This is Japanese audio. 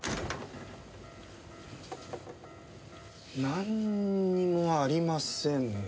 なんにもありませんね。